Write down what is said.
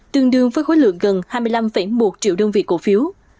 tương đương với khối lượng gần hai mươi năm một triệu đơn vị cổ phiếu